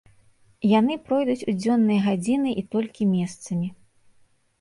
Яны пройдуць у дзённыя гадзіны і толькі месцамі.